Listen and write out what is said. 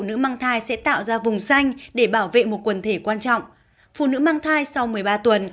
phụ nữ mang thai sẽ tạo ra vùng xanh để bảo vệ một quần thể quan trọng phụ nữ mang thai sau một mươi ba tuần